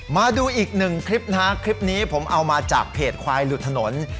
มาดูอีกหนึ่งคลิปนะฮะคลิปนี้ผมเอามาจากเพจควายหลุดถนน